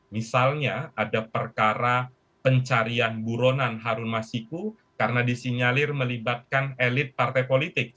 misalnya ada perkara pencarian buronan harun masiku karena disinyalir melibatkan elit partai politik